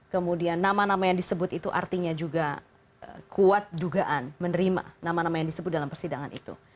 kemudian nama nama yang disebut itu artinya juga kuat dugaan menerima nama nama yang disebut dalam persidangan itu